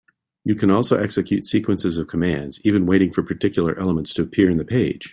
You can also execute sequences of commands, even waiting for particular elements to appear in the page.